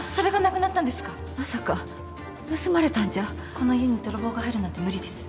この家に泥棒が入るなんて無理です。